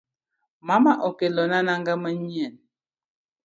Mama okelona nang'a manyien